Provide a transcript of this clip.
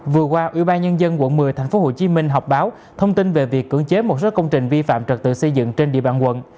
vừa qua ủy ban nhân dân quận một mươi tp hcm học báo thông tin về việc cưỡng chế một số công trình vi phạm trật tự xây dựng trên địa bàn quận